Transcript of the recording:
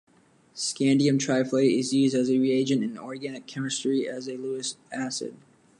Scandium triflate is used as a reagent in organic chemistry as a Lewis acid.